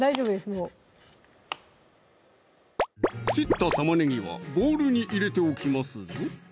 もう切った玉ねぎはボウルに入れておきますぞ！